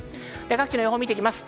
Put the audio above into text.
この後の予想を見ていきます。